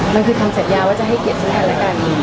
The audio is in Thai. มันคือคำสัดยาว่าจะให้เกลียดสังคัญแล้วกัน